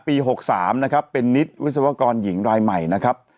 ๖๓นะครับเป็นนิตวิศวกรหญิงรายใหม่นะครับ